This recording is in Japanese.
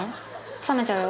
冷めちゃうよ。